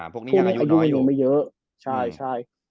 พวกนี้อย่างอายุน้อยอยู่ไม่เยอะ